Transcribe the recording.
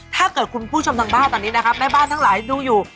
ถ้าเกิดคุณผู้ชมทางบ้านตอนนี้นะครับแม่บ้านทั้งหลายดูอยู่